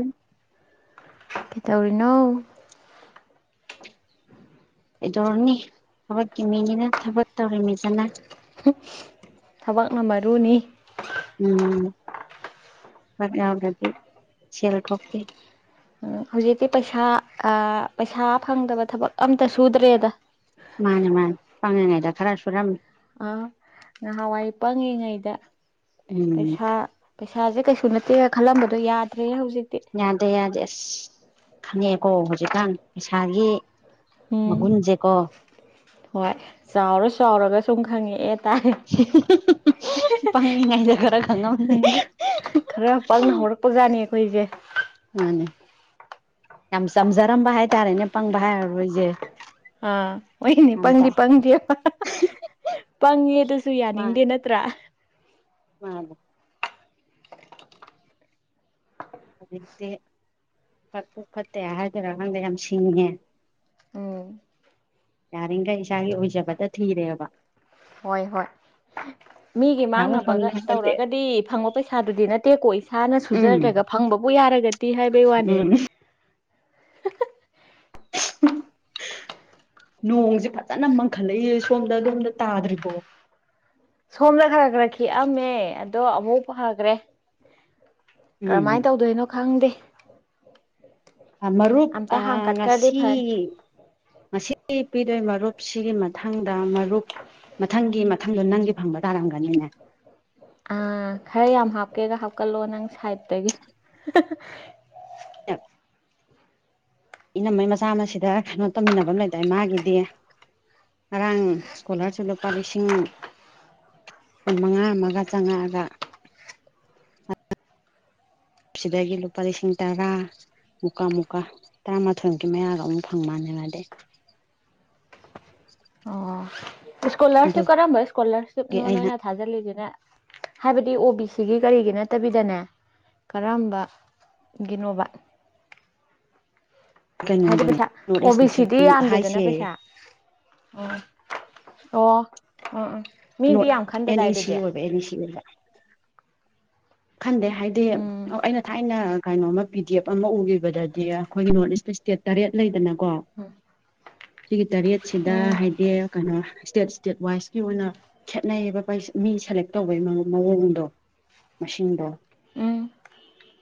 ꯎꯝ ꯀꯦꯇꯧꯔꯤꯅꯣ ꯀꯩꯗꯧꯔꯅꯤ ꯊꯕꯛꯀꯤ ꯃꯤꯅꯤꯅ ꯊꯕꯛ ꯇꯧꯔꯤꯃꯤꯁꯅ ꯊꯕꯛꯅ ꯃꯔꯨꯅꯤ ꯎꯝ ꯐꯠ ꯌꯥꯎꯗ꯭ꯔꯥꯗꯤ ꯁꯦꯜ ꯊꯣꯛꯇꯦ ꯑꯣ ꯍꯧꯖꯤꯛꯇꯤ ꯄꯩꯁꯥ ꯑꯥ ꯄꯩꯁꯥ ꯐꯪꯗꯕ ꯊꯕꯛ ꯑꯝꯇ ꯁꯨꯗ꯭ꯔꯦꯗ ꯃꯥꯅꯦ ꯃꯥꯅꯦ ꯄꯪꯂꯤꯉꯩꯗ ꯈꯔ ꯁꯨꯔꯝꯃꯤ ꯑ ꯅꯍꯥꯟꯋꯥꯏ ꯄꯪꯉꯤꯉꯩꯗ ꯎꯝ ꯄꯩꯁꯥ ꯄꯩꯁꯥꯁꯦ ꯀꯩꯁꯨ ꯅꯠꯇꯦꯅ ꯈꯜꯂꯝꯕꯗꯣ ꯌꯥꯗ꯭ꯔꯦ ꯍꯧꯖꯤꯛꯇꯤ ꯌꯥꯗꯦ ꯌꯥꯗꯦ ꯑꯁ ꯈꯪꯉꯛꯑꯦꯀꯣ ꯍꯧꯖꯤꯛꯀꯥꯟ ꯄꯩꯁꯥꯒꯤ ꯎꯝ ꯃꯒꯨꯟꯖꯦꯀꯣ ꯍꯣꯏ ꯆꯥꯎꯔ ꯆꯥꯎꯔꯒ ꯁꯨꯝ ꯈꯪꯉꯛꯑꯦ ꯇꯥꯏ ꯄꯪꯏꯉꯩꯏꯗ ꯈꯔ ꯈꯪꯉꯝꯗꯦ ꯈꯔ ꯄꯪꯅ ꯍꯧꯔꯛꯄꯖꯥꯠꯅꯤ ꯑꯩꯈꯣꯏꯁꯦ ꯃꯥꯅꯦ ꯌꯥꯝ ꯆꯝꯖꯔꯝꯕ ꯍꯥꯏꯇꯥꯔꯦꯅꯦ ꯄꯪꯕ ꯍꯥꯏꯔꯔꯣꯏꯖꯦ ꯑꯥ ꯑꯣꯏꯅꯤ ꯄꯪꯗꯤ ꯄꯪꯗꯦꯕ ꯄꯪꯉꯦ ꯑꯗꯨꯁꯨ ꯌꯥꯅꯤꯡꯗꯦ ꯅꯠꯇ꯭ꯔꯥ ꯃꯟꯅꯦ ꯍꯧꯖꯤꯛꯇꯤ ꯐꯠꯇꯨ ꯐꯠꯇꯦ ꯍꯥꯏꯗꯣꯏꯔꯥ ꯈꯪꯗ ꯌꯥꯝ ꯁꯤꯡꯉꯦ ꯎꯝ ꯌꯥꯔꯤꯈꯩ ꯏꯁꯥꯒꯤ ꯑꯣꯏꯖꯕꯗ ꯊꯤꯔꯦꯕ ꯍꯣꯏ ꯍꯣꯏ ꯃꯤꯒꯤ ꯄꯩꯁꯥꯕꯨ ꯐꯪꯉꯦ ꯃꯥꯡꯅꯕꯒ ꯍꯥꯏꯔꯗꯤ ꯇꯧꯔꯒꯗꯤ ꯐꯪꯕ ꯄꯩꯁꯥꯗꯨꯗꯤ ꯅꯠ ꯇꯦꯛꯀꯣ ꯏꯁꯥꯅ ꯎꯝ ꯁꯨꯖꯗ꯭ꯔꯒ ꯐꯪꯕꯕꯨ ꯌꯥꯔꯒꯗꯤ ꯍꯥꯏꯕꯩ ꯋꯥꯅꯦ ꯎꯝ ꯅꯣꯡꯁꯦ ꯐꯖꯅ ꯃꯪꯈꯠꯂꯛꯏ ꯁꯣꯝꯗ ꯑꯗꯣꯝꯗ ꯇꯥꯗ꯭ꯔꯤꯕꯣ ꯁꯣꯝꯅ ꯈꯔ ꯈꯔ ꯈꯤꯛꯑꯝꯃꯦ ꯑꯗꯣ ꯑꯃꯨꯛ ꯐꯒ꯭ꯔꯦ ꯀꯔꯝꯃꯥꯏꯅ ꯎꯝ ꯇꯧꯗꯣꯏꯅꯣ ꯈꯪꯗꯦ ꯃꯔꯨꯞ ꯑꯝꯇ ꯑꯥ ꯍꯥꯡꯀꯠꯈ꯭ꯔꯗꯤ ꯉꯁꯤ ꯐꯅꯤ ꯉꯁꯤ ꯄꯤꯗꯣꯏ ꯃꯔꯨꯞ ꯁꯤꯒꯤ ꯃꯊꯪꯗ ꯃꯔꯨꯞ ꯃꯊꯪꯒꯤ ꯃꯊꯪꯗꯣ ꯅꯪꯒꯤ ꯐꯪꯕ ꯇꯥꯔꯝꯒꯅꯤꯅꯦ ꯑ ꯈꯔ ꯌꯥꯝ ꯍꯥꯞꯀꯦꯒ ꯍꯥꯞꯀꯜꯂꯣ ꯅꯪ ꯁꯥꯏꯠꯇꯒꯤ ꯏꯅꯝꯃꯩ ꯃꯆꯥ ꯑꯃꯁꯤꯗ ꯀꯩꯅꯣ ꯇꯧꯃꯤꯟꯅꯕ ꯑꯃ ꯂꯩꯗꯥꯏ ꯃꯥꯒꯤꯗꯤ ꯉꯔꯥꯡ ꯁ꯭ꯀꯣꯂꯔꯁꯤꯞ ꯂꯨꯄꯥ ꯂꯤꯁꯤꯡ ꯀꯨꯟ ꯃꯉꯥ ꯑꯃꯒ ꯆꯉꯛꯑꯒ ꯁꯤꯗꯒꯤ ꯂꯨꯄꯥ ꯂꯤꯁꯤꯡ ꯇꯔꯥ ꯃꯨꯀꯥ ꯃꯨꯀꯥ ꯇꯔꯥꯃꯥꯊꯣꯏꯃꯨꯛꯀꯤ ꯃꯌꯥꯒ ꯑꯃꯨꯛ ꯐꯪ ꯃꯟꯅꯦ ꯃꯗꯤ ꯑꯣ ꯏꯁꯀꯣꯂꯔꯁꯤꯞ ꯑꯗꯨꯒꯤ ꯀꯔꯝꯕ ꯏꯁꯀꯣꯂꯔꯁꯤꯞꯅꯣ ꯑꯩꯅ ꯅꯣꯏꯅ ꯊꯥꯖꯤꯜꯂꯤꯁꯤꯅ ꯍꯥꯏꯕꯗꯤ ꯑꯣ ꯕꯤ ꯁꯤꯒꯤ ꯀꯔꯤꯒꯤ ꯅꯠꯇꯕꯤꯗꯅꯦ ꯀꯔꯝꯕꯒꯤꯅꯣꯕ ꯍꯥꯏꯗꯤ ꯀꯩꯅꯣꯗꯨꯅꯤ ꯄꯩꯁꯥ ꯅꯣꯔꯠ ꯑꯣ ꯏꯁ ꯕꯤ ꯁꯤꯗꯤ ꯀꯥꯎꯟꯁꯤꯜ ꯌꯥꯝꯗꯦꯗꯅ ꯍꯥꯏꯁꯦ ꯄꯩꯁꯥ [unintelligible] ꯑꯣ ꯑꯣ ꯎ ꯎꯝ ꯃꯤꯗꯤ ꯅꯣꯔꯠ ꯌꯥꯝ ꯑꯦꯟ ꯈꯟꯗꯗꯥꯏ ꯏ ꯁꯤ ꯑꯗꯨꯗꯤ ꯑꯣꯏꯕ ꯑꯣ ꯕꯤ ꯁꯤꯗꯨꯗ ꯈꯟꯗꯦ ꯍꯥꯏꯗꯤ ꯎꯝ [unintelligible] ꯑꯩꯅ ꯊꯥꯏꯅ ꯀꯩꯅꯣꯃ ꯄꯤ ꯗꯤ ꯑꯦꯐ ꯑꯃ ꯎꯒꯤꯕꯗꯗꯤ ꯑꯩꯈꯣꯏ ꯅꯣꯔꯠ ꯏꯁꯇ ꯏꯁꯇꯦꯠ ꯇꯔꯦꯠ ꯂꯩꯗꯅꯀꯣ ꯎꯝ ꯁꯤꯒꯤ ꯇꯔꯦꯠꯁꯤꯗ ꯎꯝ ꯍꯥꯏꯗꯤ ꯀꯩꯅꯣ ꯏꯁꯇꯦꯠ ꯏꯁꯇꯦꯠ ꯋꯥꯏꯁꯀꯤ ꯑꯣꯏꯅ ꯈꯦꯠꯅꯩꯌꯦꯕ ꯄꯩ ꯃꯤ ꯁꯦꯂꯦꯛ ꯇꯧꯕꯩ ꯃꯑꯣꯡꯗꯣ ꯃꯁꯤꯡꯗꯣ ꯎꯝ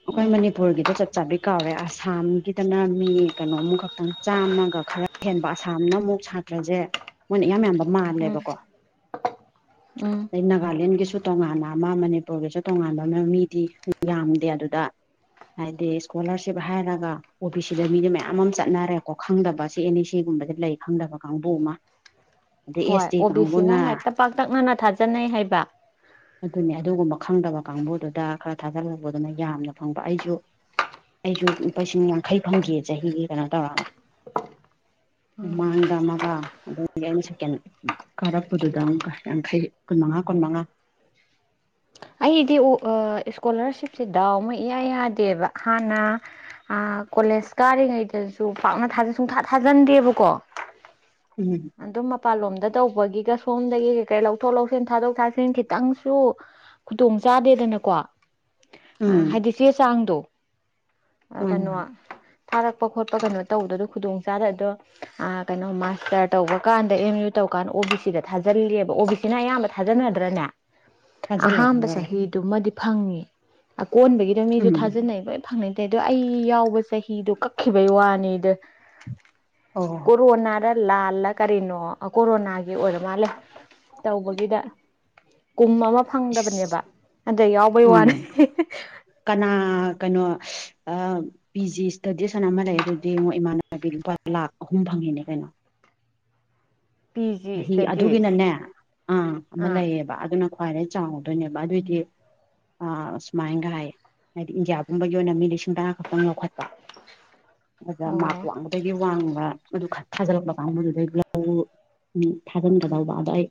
ꯑꯈꯣꯏ ꯃꯅꯤꯄꯨꯔꯒꯤꯗ ꯆꯞ ꯆꯥꯕꯤ ꯀꯥꯎꯔꯦ ꯑꯁꯥꯝꯒꯤꯗꯅ ꯃꯤ ꯀꯩꯅꯣꯝ ꯈꯛꯇꯪ ꯆꯥꯝꯃꯒ ꯈꯔ ꯍꯦꯟꯕ ꯑꯁꯥꯝꯅ ꯑꯃꯨꯛ ꯁꯥꯇ꯭ꯔꯁꯦ ꯃꯣꯏꯅ ꯏꯌꯥꯝ ꯌꯥꯝꯕ ꯎꯝ ꯃꯥꯜꯂꯦꯕꯀꯣ ꯎꯝ ꯑꯗꯩ ꯅꯥꯒꯥꯂꯦꯟꯒꯤꯁꯨ ꯇꯣꯉꯥꯟꯅ ꯑꯃ ꯃꯅꯤꯄꯨꯔꯒꯤꯁꯨ ꯇꯣꯉꯥꯟꯕ ꯑꯃ ꯃꯤꯗꯤ ꯌꯥꯝꯗꯦ ꯑꯗꯨꯗ ꯍꯥꯏꯗꯤ ꯏꯁꯀꯣꯂꯥꯔꯁꯤꯞ ꯍꯥꯏꯔꯒ ꯑꯣ ꯕꯤ ꯁꯤꯗ ꯃꯤꯗꯨ ꯃꯌꯥꯝ ꯑꯃ ꯆꯠꯅꯔꯦꯀꯣ ꯈꯪꯗꯕ ꯑꯦꯟ ꯢ ꯁꯤꯒꯨꯝꯕꯗ ꯂꯩ ꯈꯪꯗꯕ ꯀꯥꯡꯕꯨ ꯑꯃ ꯑꯗꯩ ꯍꯣꯏ ꯑꯦꯁ ꯇꯤ ꯑꯣ ꯕꯤ ꯁꯤꯅ ꯀꯥꯡꯕꯨꯅ ꯍꯦꯛꯇ ꯄꯥꯛꯇꯛꯅꯅ ꯊꯥꯖꯟꯅꯩ ꯍꯥꯏꯕ ꯑꯗꯨꯅꯤ ꯑꯗꯨꯒꯨꯝꯕ ꯈꯪꯗꯕ ꯀꯥꯡꯕꯨꯗꯨꯗ ꯈꯔ ꯊꯥꯖꯜꯂꯛꯄꯗꯨꯅ ꯌꯥꯝꯅ ꯐꯪꯕ ꯑꯩꯁꯨ ꯑꯩꯁꯨ ꯂꯨꯄꯥ ꯂꯤꯁꯤꯡ ꯌꯥꯡꯈꯩ ꯐꯪꯒꯤ ꯆꯍꯤꯒꯤ ꯀꯩꯅꯣ ꯇꯧꯔꯒ ꯃꯥꯡꯗ ꯑꯃꯒ ꯑꯗꯨꯗꯒꯤ ꯑꯩꯅ ꯁꯦꯛꯀꯦꯟ ꯀꯥꯔꯛꯄꯗꯨꯗ ꯑꯃꯨꯛꯀ ꯌꯥꯡꯈꯩ ꯀꯨꯟꯃꯉꯥ ꯀꯨꯟꯃꯉꯥ ꯑꯩꯗꯤ [unintelligible] ꯏꯁꯀꯣꯂꯥꯔꯁꯤꯞꯁꯤ ꯗꯥꯎ ꯑꯃ ꯏꯌꯥ ꯌꯥꯗꯦꯕ ꯍꯥꯟꯅ ꯑ ꯀꯣꯂꯦꯖ ꯀꯥꯔꯤꯉꯩꯗꯁꯨ ꯄꯥꯛꯅꯥ ꯊꯥꯖꯟꯅꯩ ꯁꯨꯛꯊꯥ ꯊꯥꯖꯟꯗꯦꯕꯀꯣ ꯎꯝ ꯑꯗꯨꯝ ꯃꯄꯥꯟꯂꯣꯝꯗ ꯇꯧꯕꯒꯤꯒ ꯁꯣꯝꯗꯒꯤ ꯀꯩ ꯀꯩ ꯂꯧꯊꯣꯛ ꯂꯧꯁꯤꯟ ꯊꯥꯗꯣꯛ ꯊꯥꯖꯤꯟ ꯈꯤꯇꯪꯁꯨ ꯈꯨꯗꯣꯡ ꯆꯥꯗꯦꯗꯅꯀꯣ ꯎꯝ ꯍꯥꯏꯗꯤ ꯆꯦ ꯆꯥꯡꯗꯣ ꯃꯥꯅꯤ ꯀꯩꯅꯣ ꯃꯥꯅꯤ ꯊꯥꯔꯛꯄ ꯈꯣꯠꯄ ꯀꯩꯅꯣ ꯇꯧꯕꯗꯨ ꯑꯗꯨ ꯈꯨꯗꯣꯡ ꯆꯗꯕꯗꯣ ꯑ ꯀꯩꯅꯣ ꯃꯥꯁꯇꯔ ꯇꯧꯕ ꯀꯥꯟꯗ ꯑꯦꯝ ꯌꯨ ꯇꯧ ꯀꯥꯟꯗ ꯑꯣ ꯕꯤ ꯁꯤꯗ ꯊꯥꯖꯤꯜꯂꯦꯕ ꯑꯣ ꯕꯤ ꯁꯤ ꯁꯤꯅ ꯑꯌꯥꯝꯕ ꯊꯥꯖꯟꯅꯗ꯭ꯔꯅꯦ ꯊꯥꯖꯜꯂꯦ ꯑꯍꯥꯝꯕ ꯊꯥꯖꯜꯂꯦ ꯆꯍꯤꯗꯨꯃꯗꯤ ꯐꯪꯉꯤ ꯑꯀꯣꯟꯕꯒꯤꯗ ꯃꯤꯖꯨ ꯎꯝ ꯊꯥꯖꯟꯅꯩ ꯐꯪꯅꯩꯗꯦ ꯑꯗꯣ ꯑꯩ ꯌꯥꯎꯕ ꯆꯍꯤꯗꯣ ꯀꯛꯈꯤꯕꯩ ꯋꯥꯅꯤꯗ ꯑꯣ ꯀꯣꯔꯣꯅꯥꯗ ꯂꯥꯜꯂ ꯀꯔꯤꯅꯣ ꯑꯥ ꯀꯣꯔꯣꯅꯥꯒꯤ ꯑꯣꯏꯔ ꯃꯥꯜꯂꯦ ꯇꯧꯕꯒꯤꯗ ꯀꯨꯝ ꯑꯃ ꯐꯪꯗꯕꯅꯦꯕ ꯏꯁ ꯑꯗ ꯌꯥꯎꯕꯩ ꯎꯝ ꯋꯥꯅꯤ [unintelligible] ꯀꯅꯥ ꯀꯩꯅꯣ ꯑꯥ ꯄꯤ ꯖꯤ ꯏꯁꯇꯗꯤꯁ ꯍꯥꯏꯅ ꯑꯃ ꯂꯩ ꯑꯗꯨꯗꯤ ꯃꯣꯏ ꯏꯃꯥꯟꯅꯕꯤ ꯂꯨꯄꯥ ꯂꯥꯛ ꯑꯍꯨꯝ ꯐꯪꯉꯤꯅꯦ ꯀꯩꯅꯣ ꯄꯤ ꯖꯤ ꯆꯍꯤ ꯏꯁꯇꯗꯤꯁ ꯑꯗꯨꯒꯤꯅꯅꯦ ꯑꯥ ꯑꯃ ꯂꯩꯌꯦꯕ ꯑꯗꯨꯅ ꯈ꯭ꯋꯥꯏꯗꯩ ꯆꯥꯎꯗꯣꯏꯅꯦꯕ ꯑꯗꯨꯏꯗꯤ ꯑ ꯑꯁꯨꯃꯥꯏꯟꯒ ꯍꯥꯏꯌꯦ ꯍꯥꯏꯗꯤ ꯏꯟꯗꯤꯌꯥ ꯄꯨꯝꯕꯒꯤ ꯑꯣꯏꯅ ꯃꯤ ꯂꯤꯁꯤꯡ ꯇꯔꯥ ꯈꯛꯇꯪ ꯌꯈꯠꯄ ꯑꯗꯨꯗ ꯃꯥꯛ ꯑꯣ ꯋꯥꯡꯕꯗꯒꯤ ꯋꯥꯡꯕ ꯑꯗꯨ ꯈꯟ ꯊꯥꯖꯜꯂꯛꯄ ꯀꯥꯡꯕꯨꯗꯨꯗꯒꯤ [unintelligible] [unintelligible] ꯊꯥꯖꯤꯟꯒꯗꯧꯕ ꯑꯗ ꯑꯩ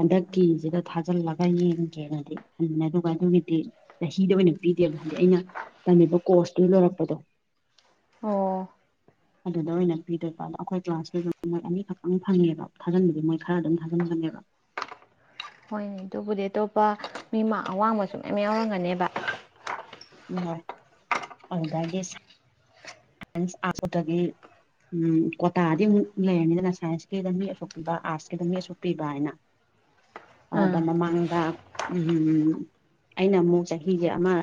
ꯍꯟꯗꯛꯀꯤꯖꯤꯗ ꯊꯥꯖꯜꯂꯒ ꯌꯦꯡꯒꯦꯅꯗꯤ ꯈꯟꯕꯅꯤ ꯑꯗꯨꯒ ꯑꯗꯨꯒꯤꯗꯤ ꯆꯍꯤꯗ ꯑꯣꯏꯅ ꯄꯤꯗꯦꯕ ꯍꯥꯏꯗꯤ ꯑꯩꯅ ꯇꯝꯃꯤꯕ ꯀꯣꯔꯁꯇꯨ ꯂꯣꯏꯔꯛꯄꯗꯣ ꯑꯣ ꯑꯗꯨꯗ ꯑꯣꯏꯅ ꯄꯤꯗꯣꯏꯕ ꯑꯗꯣ ꯑꯩꯈꯣꯏ ꯀ꯭ꯂꯥꯁꯀꯤꯖꯨ ꯃꯣꯢ ꯑꯅꯤꯈꯛꯇꯪ ꯐꯪꯉꯦꯕ ꯊꯥꯖꯤꯟꯕꯗꯤ ꯃꯣꯏ ꯈꯔ ꯑꯗꯨꯝ ꯊꯥꯖꯤꯟꯕꯅꯦꯕ ꯍꯣꯏꯅꯦ ꯑꯗꯨꯕꯨꯗꯤ ꯑꯇꯣꯞꯄ ꯃꯤ ꯃꯥꯛ ꯑꯋꯥꯡꯕꯁꯨ ꯃꯌꯥꯝ ꯌꯥꯎꯔꯝꯒꯅꯦꯕ [inaudible] [unintelligible] ꯎꯝ ꯀꯣꯇꯥꯗꯤ ꯑꯃꯨꯛ ꯂꯩꯔꯅꯤꯗꯅ ꯁꯥꯏꯟꯁꯀꯤꯗ ꯃꯤ ꯑꯁꯨꯛ ꯄꯤꯕ ꯑꯥꯔꯠꯁꯀꯤꯗ ꯃꯤ ꯑꯁꯨꯛ ꯄꯤꯕ ꯍꯥꯏꯅ ꯑꯗ ꯑꯥ ꯃꯃꯥꯡꯗ ꯎꯝꯝ ꯑꯩꯅ ꯑꯃꯨꯛ ꯆꯍꯤꯒꯤ ꯑꯃ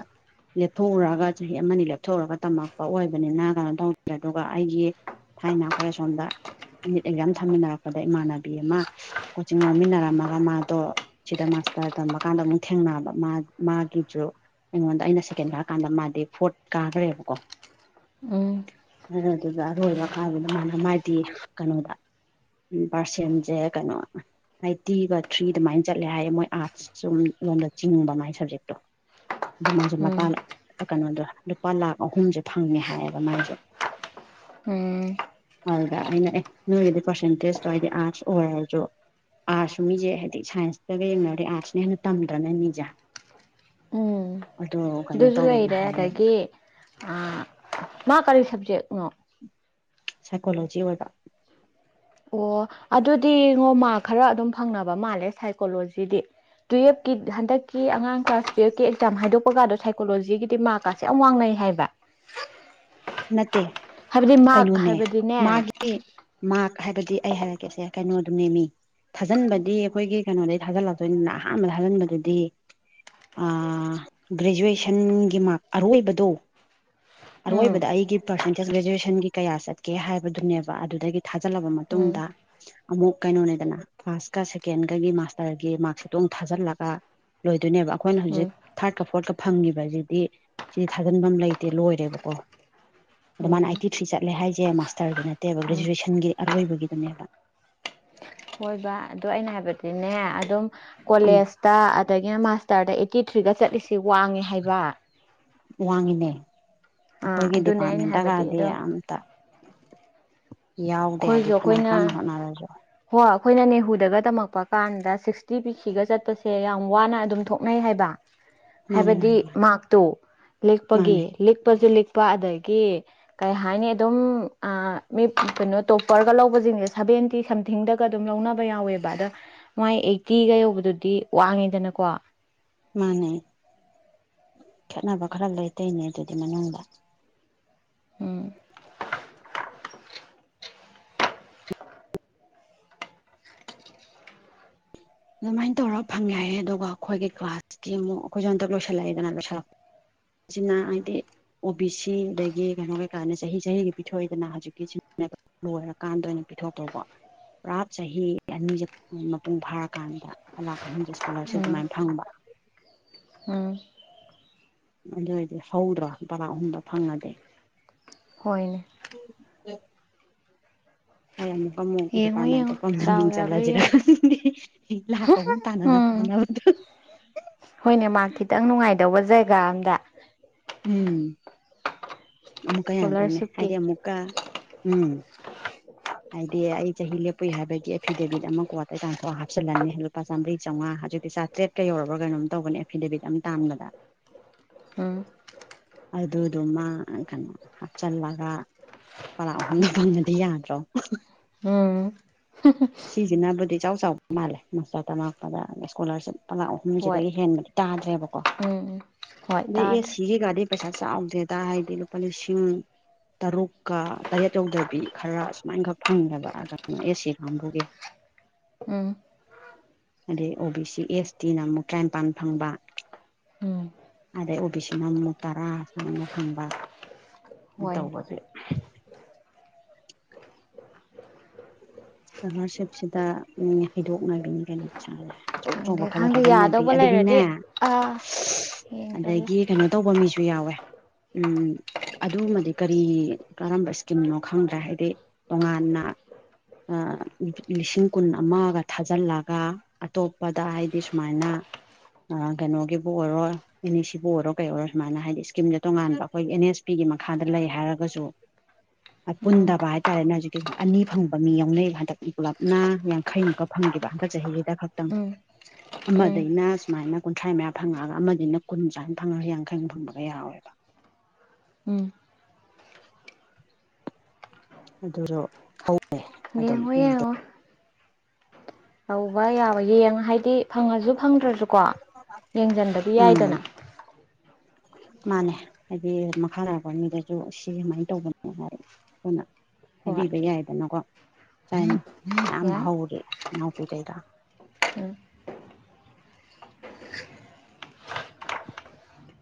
ꯂꯦꯞꯊꯣꯛꯎꯔꯒ ꯆꯍꯤ ꯑꯃꯅꯤ ꯂꯦꯞꯊꯣꯛꯎꯔꯒ ꯇꯝꯃꯛꯄ ꯑꯣꯏꯕꯅꯤꯅ ꯀꯩꯅꯣ ꯇꯧꯗ꯭ꯔꯦ ꯑꯗꯨꯒ ꯑꯩꯒꯤ ꯊꯥꯏꯅ ꯑꯩꯈꯣꯏ ꯁꯣꯝꯗ ꯅꯤꯠ ꯑꯦꯛꯖꯥꯝ ꯊꯝꯃꯤꯟꯅꯔꯛꯄꯗ ꯏꯃꯥꯟꯅꯕꯤ ꯑꯃ ꯀꯣꯆꯤꯡ ꯌꯥꯎꯃꯤꯟꯅꯔꯝꯃꯒ ꯃꯥꯗꯣ ꯁꯤꯗ ꯃꯥꯁꯇꯔ ꯇꯝꯃꯀꯥꯟꯗ ꯑꯃꯨꯛ ꯊꯦꯡꯅꯕ ꯃꯥ ꯃꯥꯒꯤꯖꯨ ꯑꯩꯉꯣꯟꯗ ꯑꯩꯅ ꯁꯦꯀꯦꯟ ꯀꯥꯔ ꯀꯥꯟꯗ ꯃꯥꯗꯤ ꯀꯥꯒ꯭ꯔꯦꯕꯀꯣ ꯎꯝ ꯑꯗꯨꯗ ꯑꯔꯣꯏꯕ ꯀꯥꯗꯨꯗ ꯃꯥꯅ ꯃꯥꯗꯤ ꯀꯩꯅꯣꯗ ꯎ ꯄꯥꯔꯁꯦꯝꯁꯦ ꯀꯩꯅꯣ ꯑꯥꯏꯠꯇꯤꯒ ꯊ꯭ꯔꯤ ꯑꯗꯨꯃꯥꯏꯅ ꯆꯠꯂꯦ ꯍꯥꯏꯌꯦ ꯃꯣꯏ ꯑꯥꯔꯠꯁ ꯆꯨꯝ ꯂꯣꯝꯗ ꯆꯤꯡꯕ ꯃꯥꯏ ꯁꯕꯖꯦꯛꯇꯣ ꯑꯗꯣ ꯃꯥꯁꯨ ꯎꯝ ꯂꯄꯥꯂꯥ ꯀꯩꯅꯣꯗꯣ ꯂꯨꯄꯥ ꯂꯥꯛ ꯑꯍꯨꯝꯖꯦ ꯐꯪꯉꯦ ꯍꯥꯏꯌꯦꯕ ꯃꯥꯥꯏꯁ ꯎꯝ ꯍꯗ ꯑꯩꯅ ꯑꯦ ꯅꯣꯏꯒꯤꯗꯤ ꯄꯔꯁꯦꯟꯇꯦꯖ ꯇꯣ ꯍꯥꯏꯗꯤ ꯑꯔꯠꯁ ꯑꯣꯔꯜꯖꯨ ꯑꯥꯔꯠꯁ ꯃꯤꯖꯦ ꯍꯥꯏꯗꯤ ꯁꯥꯏꯟꯁꯇꯒ ꯌꯦꯡꯅꯔꯗꯤ ꯑꯥꯔꯠꯁꯅ ꯍꯦꯟꯅ ꯇꯝꯗ꯭ꯔꯅ ꯃꯤꯖꯦ ꯎꯝ ꯑꯗꯨ ꯀꯩꯅꯣ ꯇꯧꯋꯦꯅ ꯍꯥꯏꯌꯦꯕ ꯑꯥ ꯃꯥ ꯀꯔꯤ ꯁꯕꯖꯦꯛꯅꯣ ꯁꯥꯏꯀꯣꯂꯣꯖꯤ ꯑꯣꯏꯕ ꯑꯣ ꯑꯗꯨꯗꯤꯌꯦꯡꯉꯣ ꯃꯥꯛ ꯈꯔ ꯑꯗꯨꯝ ꯐꯪꯅꯕ ꯃꯥꯜꯂꯦ ꯁꯥꯏꯀꯣꯂꯣꯖꯤꯗꯤ ꯇꯨꯌꯦꯜꯞꯀꯤ ꯍꯟꯗꯛꯀꯤ ꯑꯉꯥꯡ ꯀ꯭ꯂꯥꯁ ꯇꯨꯌꯦꯜꯞꯀꯤ ꯑꯦꯛꯖꯥꯝ ꯍꯥꯏꯗꯣꯛꯄ ꯀꯥꯗꯣ ꯁꯥꯏꯀꯣꯂꯣꯖꯤꯒꯤꯗꯤ ꯃꯥꯔꯛ ꯀꯥꯁꯦ ꯁꯤ ꯌꯥꯝ ꯋꯥꯡꯅꯩ ꯍꯥꯏꯕ ꯅꯠꯇꯦ ꯍꯥꯏꯕꯗꯤ ꯃꯥꯔꯛ ꯍꯥꯏꯕꯗꯤꯅꯦ [unintelligible] ꯃꯥꯛ ꯍꯥꯏꯕꯗꯤ ꯑꯩ ꯍꯥꯏꯔꯛꯀꯦꯁꯦ ꯀꯩꯅꯣꯗꯣꯅꯦꯃꯦ ꯊꯥꯖꯤꯟꯕꯗꯤ ꯑꯩꯈꯣꯏꯒꯤ ꯀꯩꯅꯣꯗꯩ ꯊꯥꯖꯤꯜꯂꯛꯇꯣꯏꯅꯤꯅ ꯑꯍꯥꯟꯕꯗ ꯊꯥꯖꯤꯟꯕꯗꯨꯗꯤ ꯑꯥ ꯒ꯭ꯔꯦꯖꯨꯑꯦꯁꯟꯒꯤ ꯃꯥꯛ ꯑꯔꯣꯏꯕꯗꯣ ꯎꯝ ꯇꯥ ꯑꯩꯒꯤ ꯄꯥꯔꯁꯦꯟꯇꯦꯖ ꯒ꯭ꯔꯦꯖꯨꯋꯦꯁꯟꯒꯤ ꯀꯌꯥ ꯆꯠꯀꯦ ꯍꯥꯏꯕꯗꯨꯅꯦꯕ ꯑꯗꯨꯗꯒꯤ ꯊꯥꯖꯤꯜꯂꯕ ꯎꯝ ꯃꯇꯨꯡꯗ ꯑꯃꯨꯛ ꯀꯩꯅꯣꯅꯦꯗꯅ ꯐꯥꯔꯁꯀ ꯁꯦꯀꯦꯟꯒꯒꯤ ꯃꯥꯁꯇꯔꯒꯤ ꯃꯥꯔꯛꯁꯤꯠꯇꯣ ꯑꯃꯨꯛ ꯊꯥꯖꯤꯜꯂꯒ ꯂꯣꯏꯗꯣꯏꯅꯦꯕ ꯑꯩꯈꯣꯏꯅ ꯎꯝ ꯍꯧꯖꯤꯛ ꯊꯥꯔꯠꯀ ꯐꯣꯔꯠꯀ ꯐꯪꯉꯤꯕꯁꯤꯗꯤ ꯁꯤ ꯊꯥꯖꯤꯟꯐꯝ ꯂꯩꯇꯦ ꯂꯣꯏꯔꯦꯕꯀꯣ ꯑꯗꯣ ꯃꯥꯅ ꯎꯝ ꯑꯥꯏꯠꯇꯤ ꯊ꯭ꯔꯤ ꯆꯠꯂꯦ ꯍꯥꯏꯁꯦ ꯃꯥꯁꯇꯔꯒꯤ ꯅꯠꯇꯦꯕ ꯎꯝ ꯒ꯭ꯔꯦꯖꯨꯋꯦꯁꯟꯒꯤ ꯑꯔꯣꯏꯕꯒꯤꯗꯨꯅꯦꯕ ꯍꯣꯏꯕ ꯑꯗꯣ ꯑꯩꯅ ꯍꯥꯏꯕꯗꯤꯅꯦ ꯑꯗꯨꯝ ꯎꯝ ꯀꯣꯂꯦꯖ ꯇ ꯑꯗꯒꯤꯅ ꯃꯥꯁꯇꯔꯗ ꯑꯩꯏꯠꯇꯤ ꯊ꯭ꯔꯤꯒ ꯆꯠꯂꯤꯁꯤ ꯋꯥꯡꯉꯦ ꯍꯥꯏꯕ ꯋꯥꯡꯉꯤꯅꯦ ꯑꯥ ꯑꯩꯈꯣꯏꯒꯤ ꯑꯗꯨꯅꯦ ꯑꯩꯅ ꯗꯤꯄꯥꯔꯠꯃꯦꯟꯗ ꯍꯥꯏꯕꯗꯤ ꯀꯗꯤ ꯑꯗꯣ ꯑꯝꯇ ꯌꯥꯎꯗꯦ ꯍꯥꯏꯕꯗꯤ ꯐꯅ ꯀꯥꯟꯅ ꯍꯣꯠꯅꯔꯁꯨ ꯍꯣ ꯑꯩꯈꯣꯏꯅ ꯅꯦꯍꯨꯗꯒ ꯇꯝꯃꯛꯄ ꯀꯥꯟꯗ ꯁꯤꯛꯁꯇꯤ ꯄꯤ ꯁꯤꯒ ꯆꯠꯄꯁꯦ ꯌꯥꯝ ꯋꯥꯅ ꯑꯗꯨꯝ ꯊꯣꯛꯅꯩ ꯍꯥꯏꯕ ꯃꯥꯅꯦ ꯍꯥꯏꯕꯗꯤ ꯃꯥꯅꯦ ꯃꯥꯅꯦ ꯃꯥꯔꯛꯇꯣ ꯂꯦꯛꯄꯒꯤ ꯃꯥꯅꯦ ꯂꯤꯛꯄꯖꯨ ꯂꯤꯛꯄ ꯑꯗꯒꯤ ꯀꯩ ꯍꯥꯏꯅꯤ ꯑꯗꯨꯝ ꯑꯥ ꯃꯤ ꯀꯩꯅꯣ ꯇꯣꯞꯄꯔꯒ ꯂꯧꯕꯖꯤꯡꯖꯦ ꯁꯕꯦꯟꯇꯤ ꯁꯝꯊꯤꯡꯗꯒ ꯑꯗꯨꯝ ꯂꯧꯅꯕ ꯌꯥꯎꯋꯦꯕ ꯑꯗ ꯃꯥꯏ ꯑꯩꯠꯇꯤꯒ ꯌꯧꯕꯗꯨꯗꯤ ꯋꯥꯡꯉꯤꯗꯅꯀꯣ ꯃꯥꯅꯦ ꯈꯦꯠꯅꯕ ꯈꯔ ꯂꯩꯇꯩꯅꯦ ꯑꯗꯨꯗꯤ ꯃꯅꯨꯡꯗꯥ ꯎꯝ ꯑꯗꯨꯃꯥꯏꯟ ꯇꯧꯔ ꯐꯪꯉꯦ ꯍꯥꯏꯌꯦ ꯑꯗꯨꯒ ꯑꯈꯣꯏꯒꯤ ꯀ꯭ꯂꯥꯁꯀꯤ ꯑꯃꯨꯛ ꯑꯈꯣꯏꯖꯨ ꯍꯟꯇꯛ ꯂꯣꯏꯁꯤꯜꯂꯛꯑꯦꯗꯅ ꯂꯣꯏꯁꯜꯂꯛ ꯁꯤꯅ ꯍꯥꯏꯗꯤ ꯑꯣ ꯕꯤ ꯁꯤ ꯑꯗꯒꯤ ꯀꯩꯅꯣ ꯀꯩꯀꯥꯅ ꯆꯍꯤ ꯆꯍꯤꯒꯤ ꯄꯤꯊꯣꯛꯏꯗꯅ ꯍꯧꯖꯤꯛꯀꯤ ꯁꯤꯅꯦꯕ ꯂꯣꯏꯔꯀꯥꯟꯗ ꯑꯣꯏꯅ ꯄꯤꯊꯣꯛꯇꯧꯕ ꯄꯨꯔꯥ ꯆꯍꯤ ꯑꯅꯤꯖꯦ ꯃꯄꯨꯡ ꯐꯥꯔꯛ ꯀꯥꯟꯗ ꯂꯨꯄꯥ ꯂꯥꯛ ꯑꯍꯨꯝꯖꯦ ꯁ꯭ꯀꯣꯂꯔꯁꯤꯞ ꯎꯝ ꯑꯗꯨꯃꯥꯏꯟ ꯐꯪꯕ ꯎꯝ ꯑꯗꯨ ꯑꯣꯏꯔꯗꯤ ꯍꯧꯗ꯭ꯔꯣ ꯂꯨꯄꯥ ꯂꯥꯛ ꯑꯍꯨꯝꯗꯣ ꯐꯪꯉꯗꯤ ꯍꯣꯏꯅꯦ [unintelligible] ꯑꯩ ꯑꯃꯨꯛꯀꯥ ꯃꯨꯛ ꯌꯦꯡꯉꯣ ꯗꯤꯄꯥꯔꯠꯃꯦꯟꯇꯣ ꯌꯦꯡꯉꯣ ꯄꯨꯟꯅ ꯗꯥꯎ ꯃꯤꯡ ꯌꯥꯕ꯭ꯔꯥ ꯆꯜꯂꯖꯤꯔꯥ ꯌꯦꯡꯉꯣ ꯈꯪꯗꯦ ꯍꯤ ꯂꯥꯛ ꯑꯍꯨꯝ ꯇꯥꯟꯅ ꯅꯕ ꯎꯝ ꯍꯣꯠꯅꯕꯗ ꯍꯣꯏꯅꯦ ꯃꯥꯔꯛ ꯈꯤꯇꯪ ꯅꯨꯡꯉꯥꯏꯗꯧꯕ ꯖꯩꯒꯥ ꯑꯝꯗ ꯎꯝ ꯑꯃꯨꯛꯀꯥ ꯌꯥꯗ꯭ꯔꯦꯅꯦ ꯏꯁꯀꯣꯂꯥꯔꯁꯤꯞꯀꯤ ꯍꯥꯏꯗꯤ ꯑꯃꯨꯛꯀꯥ ꯎꯝ ꯍꯥꯏꯗꯤ ꯑꯩ ꯆꯍꯤ ꯂꯦꯞꯄꯨꯏ ꯍꯥꯏꯕꯒꯤ ꯑꯦꯐꯤꯗꯦꯕꯤꯠ ꯑꯃ ꯀꯣꯔꯠꯇꯥ ꯇꯥꯟꯊꯣꯛꯑ ꯍꯥꯞꯆꯤꯜꯂꯅꯤ ꯂꯨꯄꯥꯥ ꯆꯝꯔꯤ ꯆꯧꯉꯥ ꯍꯧꯖꯤꯛꯇꯤ ꯆꯥ ꯇ꯭ꯔꯦꯠꯀꯥ ꯌꯧꯔꯕ꯭ꯔꯥ ꯀꯩꯅꯣꯝ ꯇꯧꯕꯅꯦ ꯑꯦꯐꯤꯗꯦꯕꯤꯠ ꯑꯃ ꯇꯥꯟꯕꯗ ꯎꯝ ꯑꯗꯨ ꯗꯨꯃꯥ ꯑꯥ ꯀꯥꯅꯣ ꯍꯥꯞꯆꯤꯜꯂꯒ ꯂꯨꯄꯥ ꯂꯥꯛ ꯑꯍꯨꯝꯗꯣ ꯐꯪꯉꯗꯤ ꯌꯥꯗ꯭ꯔꯣ ꯎꯝ ꯁꯤꯖꯤꯅꯕꯨꯗꯤ ꯏꯆꯥꯎ ꯆꯥꯎꯕ ꯃꯥꯜꯂꯦ ꯃꯥꯁꯇꯔ ꯇꯝꯃꯛꯄꯗ ꯏꯁꯀꯣꯂꯥꯔꯁꯤꯞ ꯄꯂꯥꯛ ꯑꯍꯨꯝꯖꯤꯗꯒꯤ ꯍꯦꯟꯕꯅꯦ ꯇꯥꯗ꯭ꯔꯦꯕꯀꯣ ꯎꯝ ꯎꯝ ꯍꯣꯏ ꯑꯗꯩ ꯇꯥꯗ꯭ꯔꯦ ꯑꯦꯁꯤꯒꯤ ꯒꯥꯗꯤ ꯄꯩꯁꯥ ꯆꯥꯎꯗꯦꯗ ꯍꯥꯏꯗꯤ ꯂꯨꯄꯥ ꯂꯤꯁꯤꯡ ꯇꯔꯨꯛꯀꯥ ꯇꯔꯦꯠ ꯌꯧꯗꯕꯤ ꯈꯔ ꯁꯨꯃꯥꯏꯟ ꯈꯛ ꯐꯪꯉꯦꯕ ꯀꯩꯅꯣ ꯑꯦ ꯁꯤ ꯀꯥꯡꯕꯨꯒꯤ ꯎꯝ ꯑꯗꯩ ꯑꯣ ꯕꯤ ꯁꯤ ꯑꯦꯁ ꯇꯤꯅ ꯑꯃꯨꯛ ꯇꯔꯥꯅꯤꯄꯥꯟ ꯐꯪꯕ ꯎꯝ ꯑꯗꯩ ꯑꯣꯕꯤ ꯁꯤꯅ ꯑꯃꯨꯛ ꯇꯔꯥ ꯁꯨꯃꯥꯏꯅ ꯐꯪꯕ ꯎꯝ ꯍꯣꯏꯅꯦ ꯇꯧꯕꯖꯦ ꯏꯁꯀꯣꯂꯥꯔꯁꯤꯞꯁꯤꯗ ꯃꯤ ꯍꯩꯗꯣꯛꯅꯕꯤꯅꯤ ꯀꯩꯅꯣ ꯄꯩꯁꯥꯖꯦ ꯑꯆꯧ ꯑꯆꯧꯕ ꯈꯪꯗꯦ ꯈꯜꯂꯥ ꯈꯪꯗꯦ ꯊꯥꯖꯟꯅꯕꯤ ꯌꯥꯗꯧꯕ ꯑꯗꯥꯒꯤꯅꯦ ꯂꯩꯔꯗꯤ ꯑꯥ [inaudible] ꯌꯦꯡꯖꯜꯂꯣ ꯑꯗꯒꯤ ꯀꯩꯅꯣ ꯇꯧꯕ ꯃꯤꯁꯨ ꯌꯥꯎꯋꯦ ꯎꯝ ꯑꯗꯨꯃꯗꯤ ꯀꯔꯤ ꯀꯔꯝꯕ ꯁ꯭ꯀꯤꯝꯅꯣ ꯈꯪꯗ꯭ꯔꯦ ꯍꯥꯏꯗꯤ ꯇꯣꯉꯥꯟꯅ ꯑꯥ ꯂꯤꯁꯤꯡ ꯀꯨꯟ ꯑꯃ ꯒꯥ ꯊꯥꯖꯤꯜꯂꯒ ꯑꯇꯣꯞꯄꯗ ꯍꯥꯏꯗꯤ ꯁꯨꯃꯥꯏꯅ ꯑꯥ ꯀꯩꯅꯣꯒꯤꯕꯨ ꯑꯣꯏꯔꯣꯏ ꯑꯦꯟ ꯑꯦꯁ ꯁꯤꯕꯨ ꯑꯣꯏꯔꯣ ꯀꯩ ꯑꯣꯏꯔꯣ ꯁꯨꯃꯥꯏꯅ ꯍꯥꯏꯗꯤ ꯁ꯭ꯀꯤꯝꯖꯦ ꯇꯣꯉꯥꯟꯕ ꯑꯈꯣꯏ ꯑꯦꯟ ꯑꯦꯁ ꯄꯤꯒꯤ ꯃꯈꯥꯗ ꯂꯩ ꯍꯥꯏꯔꯒꯥꯖꯨ ꯑꯥ ꯎꯝ ꯄꯨꯟꯗꯕ ꯍꯥꯏꯇꯥꯔꯦꯅꯦ ꯍꯧꯖꯤꯛꯀꯤꯖꯤꯅ ꯑꯅꯤ ꯐꯪꯕ ꯃꯤ ꯌꯥꯎꯅꯩ ꯍꯟꯗꯛ ꯄꯨꯂꯞꯅ ꯌꯥꯡꯈꯩꯃꯨꯛꯀꯥ ꯐꯪꯒꯤꯕ ꯍꯟꯗꯛ ꯆꯍꯤꯖꯤꯗꯥ ꯈꯛꯇꯪ ꯎꯝ ꯎꯝ ꯑꯃꯗꯩꯅ ꯁꯨꯃꯥꯏꯅ ꯀꯨꯟꯊ꯭ꯔꯥ ꯃꯌꯥ ꯐꯪꯉꯛꯑꯒ ꯑꯃꯗꯩꯅ ꯀꯨꯟ ꯁꯨꯃꯥꯏꯅ ꯐꯪꯉꯒ ꯌꯥꯡꯈꯩꯃꯨꯛ ꯐꯪꯕꯒ ꯌꯥꯎꯋꯦꯕ ꯎꯝ ꯑꯗꯨꯔꯣ ꯍꯧ ꯌꯦꯡꯉꯣ ꯌꯦꯡꯉꯣ ꯇꯧꯕ ꯌꯥꯕ ꯌꯦꯡ ꯍꯥꯏꯗꯤ ꯐꯪꯉꯖꯨ ꯐꯪꯗ꯭ꯔꯥꯖꯨꯀꯣ ꯌꯦꯡꯖꯟꯕꯗꯤ ꯌꯥꯏꯗꯅ ꯎꯝ ꯃꯥꯅꯦ ꯍꯥꯏꯗꯤ ꯃꯈꯥ ꯇꯥꯔꯛꯄ ꯃꯤꯗꯁꯨ ꯁꯤ ꯁꯨꯃꯥꯏꯟ ꯇꯧꯕꯅꯦ ꯍꯥꯏ ꯈꯣꯏꯅ ꯍꯣꯏ ꯍꯥꯏꯕꯤꯕ ꯌꯥꯏꯗꯅꯀꯣ ꯆꯥꯏ ꯌꯥꯝ ꯌꯥꯏ ꯍꯧꯔꯤ ꯏꯅꯥꯎꯄꯤ ꯀꯩꯀꯥ ꯎꯝ